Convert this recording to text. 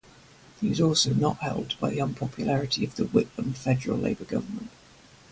He was also not helped by the unpopularity of the Whitlam federal Labor government.